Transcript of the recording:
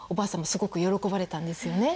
すごく喜ばれたんですよね。